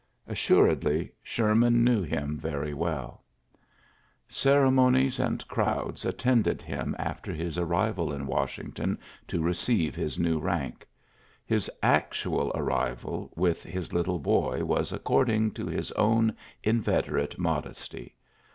Assuredly, Sherman inew him very welL <3eremomes and crowds attended him after his arrival in Washington to re ceive his new rank. His actual arrival with his little boy was according to his own inveterate modesty.